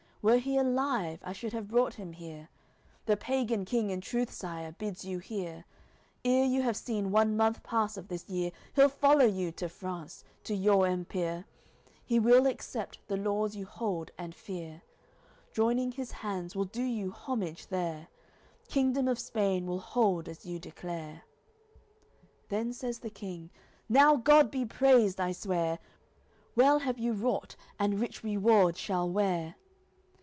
Were he alive, I should have brought him here. The pagan king, in truth, Sire, bids you hear, Ere you have seen one month pass of this year He'll follow you to France, to your Empire, He will accept the laws you hold and fear; Joining his hands, will do you homage there, Kingdom of Spain will hold as you declare." Then says the King: "Now God be praised, I swear! Well have you wrought, and rich reward shall wear."